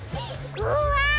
うわ！